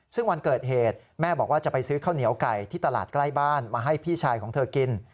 ซึ่งวันเกิดเหตุแม่บอกว่าจะไปซื้อข้าวเหนียวไก่ที่ตลาดใกล้บ้านมาให้พี่ชายของเธอกิน